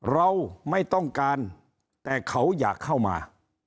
ถามว่าทำไมเขาอยากมา